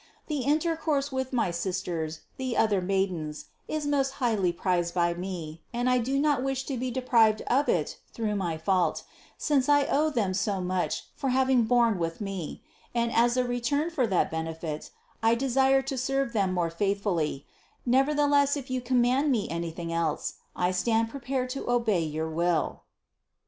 The intercourse with my sisters, the other maidens, is most highly prized by me, and I do not wish to be deprived of it through my fault, since I owe them so much for having borne with me; and as a return for that benefit, I desire to serve them more faithfully; nevertheless if you command me any thing else, I stand prepared to obey your will."